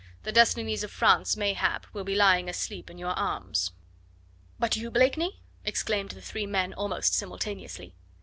The destinies of France, mayhap, will be lying asleep in your arms." "But you, Blakeney?" exclaimed the three men almost simultaneously.